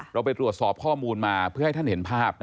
เราไปตรวจสอบข้อมูลมาเพื่อให้ท่านเห็นภาพ